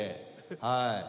はい。